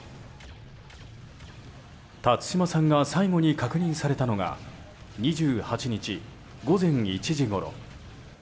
辰島さんが最後に確認されたのが２８日午前１時ごろ。